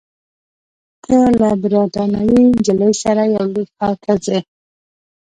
ته له بریتانوۍ نجلۍ سره یو لوی ښار ته ځې.